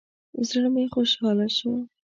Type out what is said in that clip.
زړه مې خوشحاله شو.